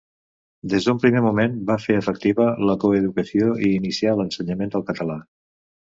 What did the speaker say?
Des d'un primer moment va fer efectiva la coeducació i inicià l'ensenyament del català.